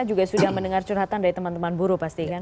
juga sudah mendengar curhatan dari teman teman buru